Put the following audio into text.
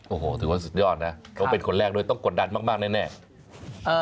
โอ้โหถือว่าสุดยอดนะเขาเป็นคนแรกบ้างต้องกดดันมากแน่